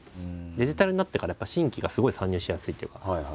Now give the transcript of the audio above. デジタルになってからやっぱ新規がすごい参入しやすいというか。